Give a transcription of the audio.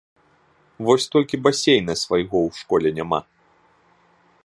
Вось толькі басейна свайго ў школе няма.